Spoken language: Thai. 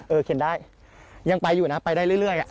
เออเข็นได้ยังไปอยู่นะไปได้เรื่อยเรื่อยอ่ะ